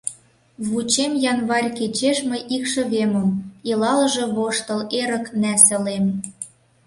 Вучем январь кечеш мый икшывемым, Илалже воштыл эрык нӓсылем.